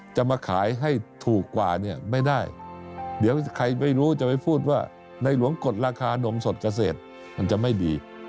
จะมาขายให้ถูกกว่าเนี่ยไม่ได้เดี๋ยวใครไม่รู้จะไปพูดว่าในหลวงกดราคานมสดเกษตรมันจะไม่ดี